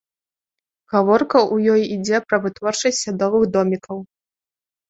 Гаворка ў ёй ідзе пра вытворчасць садовых домікаў.